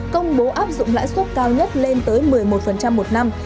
công bố áp dụng lãi suất cao nhất lên tới một mươi một một năm